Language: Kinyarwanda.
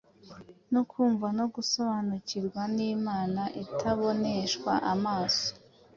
no kumva no gusobanukirwa n’Imana itaboneshwa amaso.